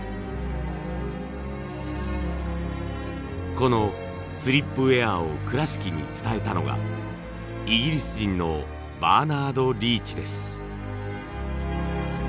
このスリップウェアを倉敷に伝えたのがイギリス人のバーナード・リーチです。